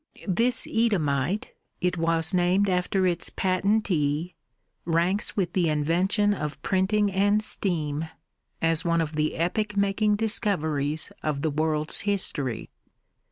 This Eadhamite it was named after its patentee ranks with the invention of printing and steam as one of the epoch making discoveries of the world's history.